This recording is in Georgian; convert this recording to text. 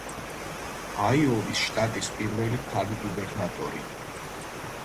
აიოვის შტატის პირველი ქალი გუბერნატორი.